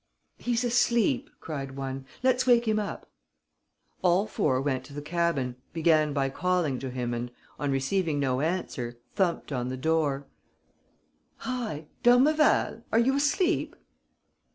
"He's asleep," cried one. "Let's wake him up." All four went to the cabin, began by calling to him and, on receiving no answer, thumped on the door: "Hi! D'Ormeval! Are you asleep?"